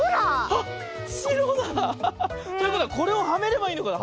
あっしろだ！ということはこれをはめればいいのかな？